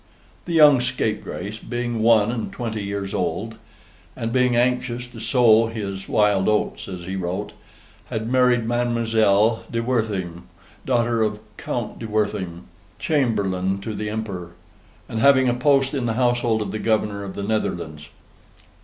The young scapegrace, being one and twenty years old, and being anxious to sow his "wild otes," as he wrote, had married Mademoiselle de Wertheim, daughter of Count de Wertheim, Chamberlain to the Emperor, and having a post in the Household of the Governor of the Netherlands.